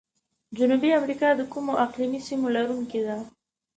جنوبي امریکا د کومو اقلیمي سیمو لرونکي ده؟